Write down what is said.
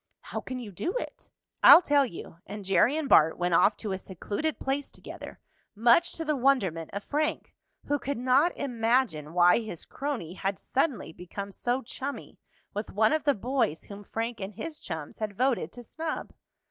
"How can you do it?" "I'll tell you," and Jerry and Bart went off to a secluded place together, much to the wonderment of Frank, who could not imagine why his crony had suddenly become so chummy with one of the boys whom Frank and his chums had voted to snub.